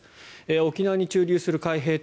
沖縄に駐留する海兵隊